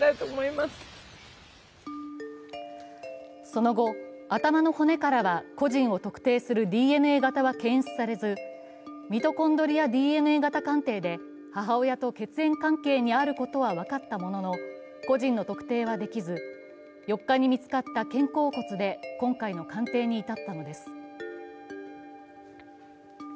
その後、頭の骨からは個人を特定するＤＮＡ型は検出されずミトコンドリアＤＮＡ型鑑定で、母親と血縁関係にあることは分かったものの個人の特定はできず、４日に見つかった肩甲骨で今回の鑑定に至ったのです。